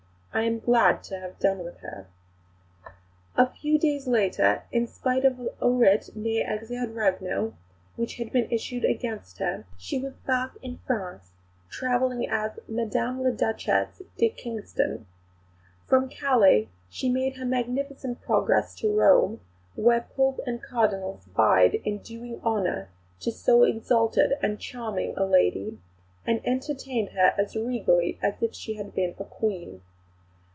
I am glad to have done with her." A few days later, in spite of a writ, ne exeat regno, which had been issued against her, she was back in France, travelling in state as "Madame la Duchesse de Kingston." From Calais she made her magnificent progress to Rome, where Pope and Cardinals vied in doing honour to so exalted and charming a lady, and entertained her as regally as if she had been a Queen.